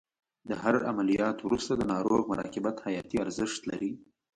د هر عملیات وروسته د ناروغ مراقبت حیاتي ارزښت لري.